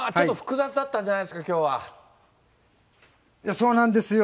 そうなんですよ。